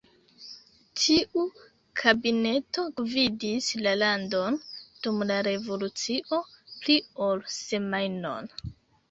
Tiu kabineto gvidis la landon dum la revolucio pli ol semajnon.